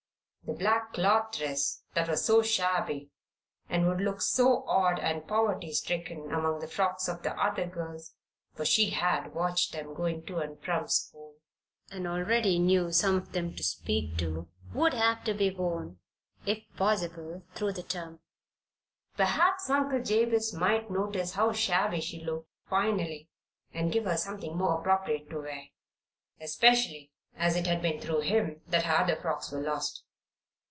The black cloth dress that was so shabby and would look so odd and proverty stricken among the frocks of the other girls (for she had watched them going to and from school, and already knew some of them to speak to) would have to be worn, if possible, through the term. Perhaps Uncle Jabez might notice how shabby she looked, finally, and give her something more appropriate to wear. Especially as it had been through him that her other frocks were lost.